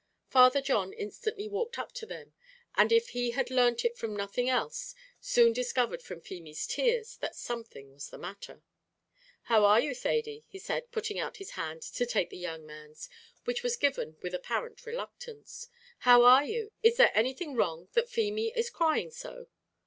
Father John instantly walked up to them, and if he had learnt it from nothing else, soon discovered from Feemy's tears, that something was the matter. "How are you, Thady?" he said, putting out his hand to take the young man's, which was given with apparent reluctance; "how are you? is there anything wrong, that Feemy is crying so?"